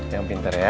yang pintar ya